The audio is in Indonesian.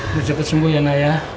udah cepet sembuh ya naya